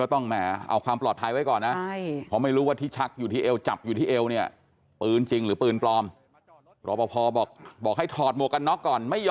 ถุงขุยใช่จับเสื้อดึงถุงขุย